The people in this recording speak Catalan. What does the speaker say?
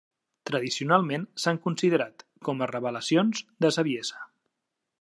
Tradicionalment s'han considerat com a revelacions de saviesa.